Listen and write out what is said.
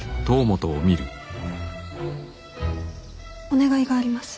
お願いがあります。